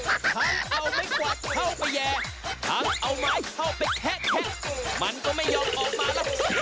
ทั้งเอาไม้กวาดเข้าไปแย่ทั้งเอาไม้เข้าไปแคะมันก็ไม่ยอมออกมาแล้ว